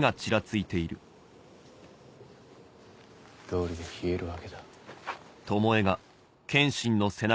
どうりで冷えるわけだ。